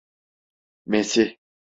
Mesih!